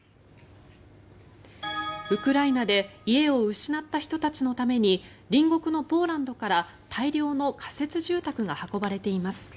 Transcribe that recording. ウクライナで家を失った人たちのために隣国のポーランドから大量の仮設住宅が運ばれています。